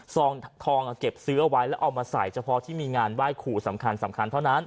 ทองเก็บซื้อเอาไว้แล้วเอามาใส่เฉพาะที่มีงานไหว้ขู่สำคัญสำคัญเท่านั้น